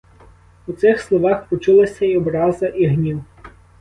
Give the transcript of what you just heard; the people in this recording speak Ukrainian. У цих словах почулася і образа і гнів.